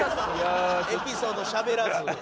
エピソードしゃべらず。